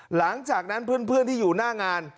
หลังจากนั้นเพื่อนที่อยู่หน้างาน